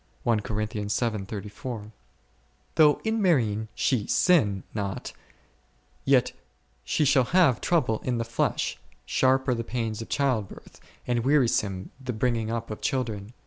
o 1 Cor. vii. 34. o 6 o —— c Though in marrying she sin not, yet she shall have trouble in the flesh ; sharp are the pains of child birth, and wearisome the bringing up of children.